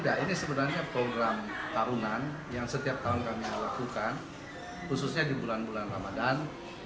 tidak ini sebenarnya program tarunan yang setiap tahun kami lakukan khususnya di bulan bulan ramadan